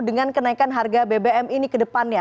dengan kenaikan harga bbm ini ke depannya